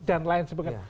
dan lain sebagainya